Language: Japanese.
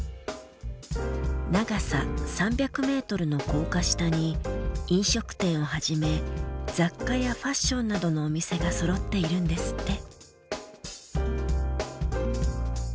長さ３００メートルの高架下に飲食店をはじめ雑貨やファッションなどのお店がそろっているんですって。